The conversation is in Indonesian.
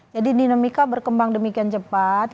jadi dinamika berkembang demikian cepat